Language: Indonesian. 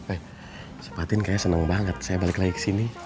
eh sempatin kayaknya seneng banget saya balik lagi ke sini